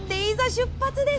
出発です！